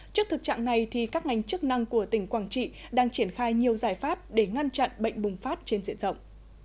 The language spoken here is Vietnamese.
trước thực trạng này các ngành chức năng của tỉnh quảng trị đang triển khai nhiều giải pháp để ngăn chặn bệnh bùng phát trên diện rộng